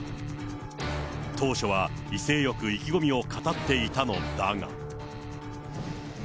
当初は威勢よく、意気込みを語っていたのだが。